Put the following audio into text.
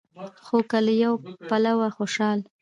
خو که له يوه پلوه خوشال